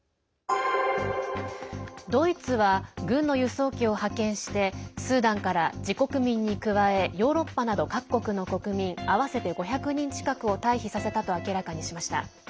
ドイツは軍の輸送機を派遣してスーダンから自国民に加えヨーロッパなど各国の国民合わせて５００人近くを退避させたと明らかにしました。